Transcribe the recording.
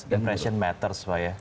depression matters pak ya